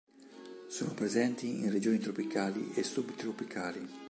Sono presenti in regioni tropicali e subtropicali.